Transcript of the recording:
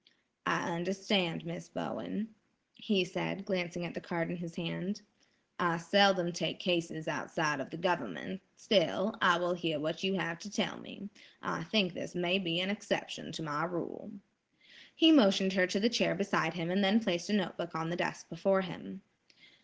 "I understand, Miss Bowen," he said, glancing at the card in his hand. "I seldom take cases outside of the government; still, I will hear what you have to tell me. I think this may be an exception to my rule." He motioned her to the chair beside him and then placed a note book on the desk before him.